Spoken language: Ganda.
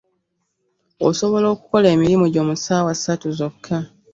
Osobola okukola emirimu gyo mu ssaawa ssatu zokka.